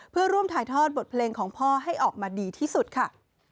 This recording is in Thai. เพื่อร่วมถ่ายทอดบทเพลงของพ่อให้ออกมาดีที่สุดค่ะ